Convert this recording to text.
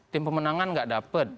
tim pemenangan nggak dapat